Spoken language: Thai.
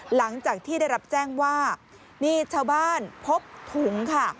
หลังจากที่ได้รับแจ้งว่ามีชาวบ้านพบถุงค่ะ